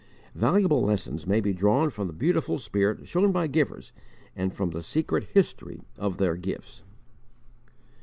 Valuable lessons may be drawn from the beautiful spirit shown by givers and from the secret history of their gifts.